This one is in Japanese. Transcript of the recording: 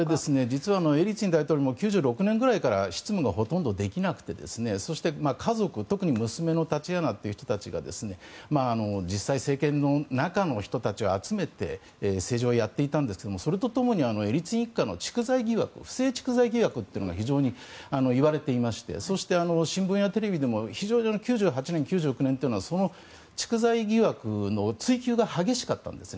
実はエリツィン大統領９６年ぐらいから執務がほとんどできなくてそして家族、特に娘のタチアナという人たちが実際、政権の中の人たちを集めて政治をやっていたんですけれどもそれと共にエリツィン一家の不正蓄財疑惑が非常にいわれていましてそして、新聞やテレビでも非常に９８年、９９年というのは蓄財疑惑の追及が激しかったんです。